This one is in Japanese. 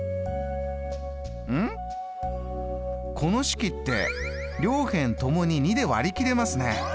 この式って両辺ともに２で割り切れますね。